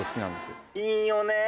いいよね。